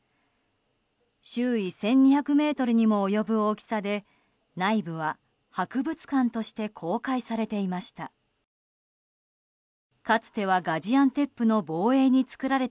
周囲１２００ｍにも及ぶ大きさで内部は博物館として公開されていました。